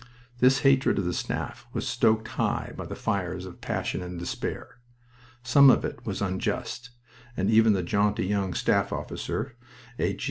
This hatred of the Staff was stoked high by the fires of passion and despair. Some of it was unjust, and even the jaunty young staff officer a G.